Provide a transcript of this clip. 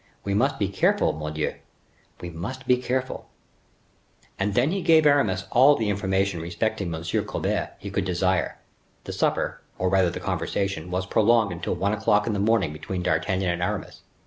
We must be careful, mordioux! we must be careful." And he then gave Aramis all the information respecting M. Colbert he could desire. The supper, or rather, the conversation, was prolonged till one o'clock in the morning between D'Artagnan and Aramis.